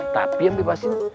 tapi yang bebas ini